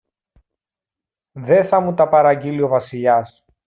Δε θα μου τα παραγγείλει ο Βασιλιάς